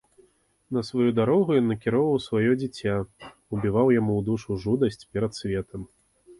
На сваю дарогу ён накіроўваў сваё дзіця, убіваў яму ў душу жудасць перад светам.